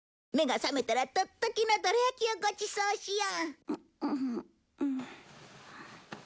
目が覚めたらとっときのドラ焼きをごちそうしよう。